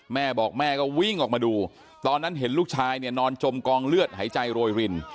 แม่บอกแม่ก็วิ่งออกมาดูตอนนั้นเห็นลูกชายเนี่ยนอนจมกองเลือดหายใจโรยริน